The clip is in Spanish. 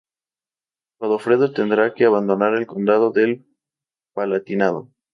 Godofredo tendrá que abandonar el condado del Palatinado.